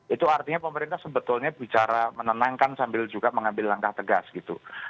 itu artinya pemerintah sebetulnya bicara menenangkan sambil juga mengambil langkah tegas gitu